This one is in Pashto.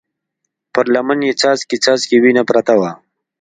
پر لمن يې څاڅکي څاڅکې وينه پرته وه.